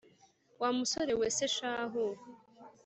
wa musore we se shahu